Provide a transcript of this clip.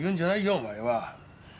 お前は。